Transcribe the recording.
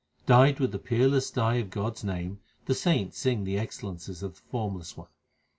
Dyed with the peerless dye of God s name, The saints sing the excellences of the Formless One.